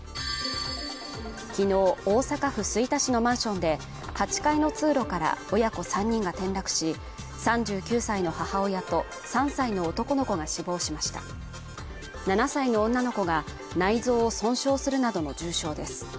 昨日、大阪府吹田市のマンションで８階の通路から親子３人が転落し３９歳の母親と３歳の男の子が死亡しました７歳の女の子が内臓を損傷するなどの重傷です